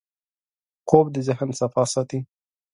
خوب د ذهن صفا ساتي